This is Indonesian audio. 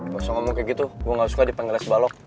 gak usah ngomong kayak gitu gue gak suka dipanggil es balok